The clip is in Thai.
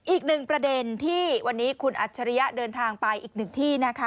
อีกหนึ่งประเด็นที่วันนี้คุณอัจฉริยะเดินทางไปอีกหนึ่งที่นะคะ